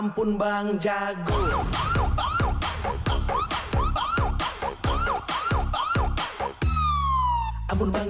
มาจาก